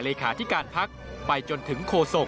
เหลือขาที่การพักไปจนถึงโคศก